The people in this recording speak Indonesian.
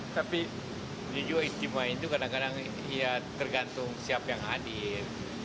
tapi jujur istimewa itu kadang kadang ya tergantung siapa yang hadir